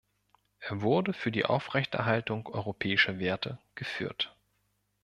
Er wurde für die Aufrechterhaltung europäischer Werte geführt.